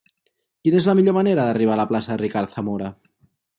Quina és la millor manera d'arribar a la plaça de Ricard Zamora?